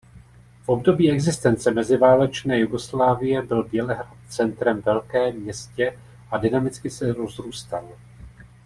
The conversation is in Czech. V období existence meziválečné Jugoslávie byl Bělehrad centrem velké městě a dynamicky se rozrůstal.